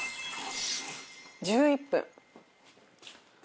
１１分。